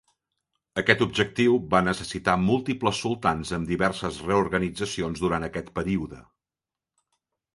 Aquest objectiu va necessitar múltiples sultans amb diverses reorganitzacions durant aquest període.